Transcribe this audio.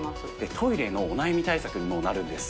トイレのお悩み対策にもなるんです。